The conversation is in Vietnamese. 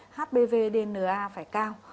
hbvdna phải cao